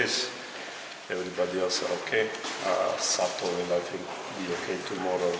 ini berarti dia akan baik baik saja dalam dua tiga hari